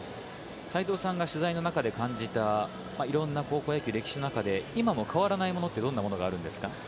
斎藤さんが取材の中で感じたいろんな高校野球の歴史の中で今も変わらないものはどんなものですか。